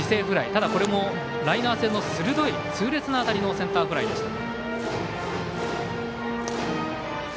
ただ、これもライナー性の鋭い痛烈な当たりのセンターフライでした。